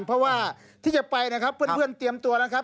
เพราะว่าที่จะไปนะครับเพื่อนเตรียมตัวแล้วครับ